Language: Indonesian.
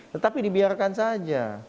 tetapi dibiarkan saja